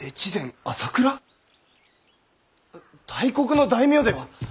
大国の大名では何故。